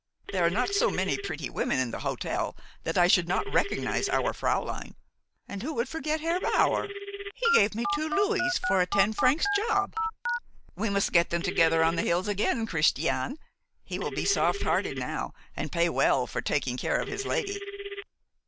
"There are not so many pretty women in the hotel that I should not recognize our fräulein. And who would forget Herr Bower? He gave me two louis for a ten francs job. We must get them together on the hills again, Christian. He will be soft hearted now, and pay well for taking care of his lady."